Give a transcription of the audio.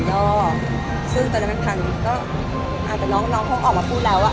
โอ้ตอนนี้จะเป็นค่ำนี่ก็อาจจะน้องน้องพบออกมาพูดรัวว่า